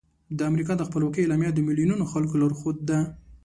د امریکا د خپلواکۍ اعلامیه د میلیونونو خلکو لارښود ده.